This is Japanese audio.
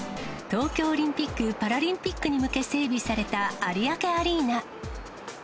東京オリンピック・パラリンピックに向け整備された有明アリーナ。